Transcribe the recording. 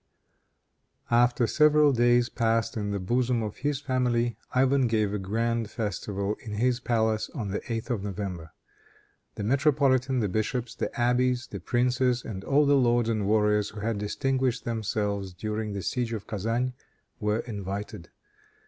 After several days passed in the bosom, of his family, Ivan gave a grand festival in his palace, on the 8th of November. The metropolitan, the bishops, the abbés, the princes, and all the lords and warriors who had distinguished themselves during the siege of Kezan, were invited.